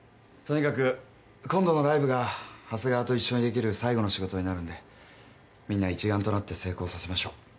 とにかく今度のライブが長谷川と一緒にできる最後の仕事になるんでみんな一丸となって成功させましょう。